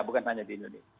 bukan hanya di indonesia